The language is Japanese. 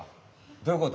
どういうこと？